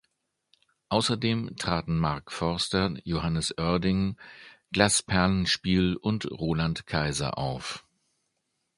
Außerdem traten Mark Forster, Johannes Oerding, Glasperlenspiel und Roland Kaiser auf.